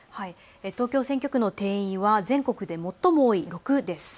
東京選挙区の定員は全国で最も多い６です。